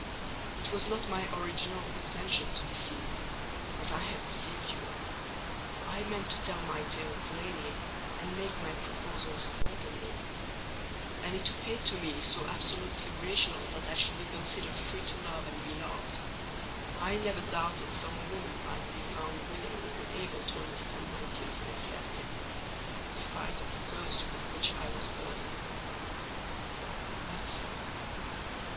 It was not my original intention to deceive, as I have deceived you. I meant to tell my tale plainly, and make my proposals openly: and it appeared to me so absolutely rational that I should be considered free to love and be loved, I never doubted some woman might be found willing and able to understand my case and accept me, in spite of the curse with which I was burdened." "Well, sir?"